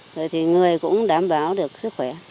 rồi thì người cũng đảm bảo được sức khỏe